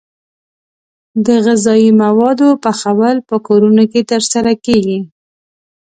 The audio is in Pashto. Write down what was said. د غذايي موادو پخول په کورونو کې ترسره کیږي.